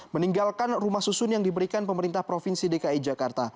meninggalkan rumah susun yang diberikan pemerintah provinsi dki jakarta